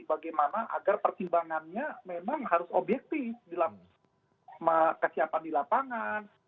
bagaimana agar pertimbangannya memang harus objektif dalam kesiapan di lapangan